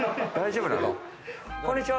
こんにちは。